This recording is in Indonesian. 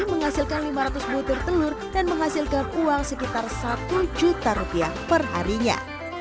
menghasilkan lima ratus butir telur dan menghasilkan uang sekitar satu juta rupiah perharinya